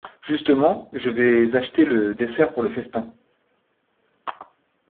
Justement… je vais acheter le dessert pour le festin…